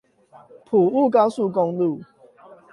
埔霧高速公路